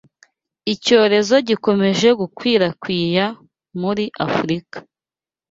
Icyorezo gikomeje gukwirakwia muri Afurika